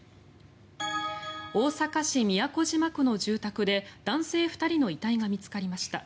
大阪市都島区の住宅で男性２人の遺体が見つかりました。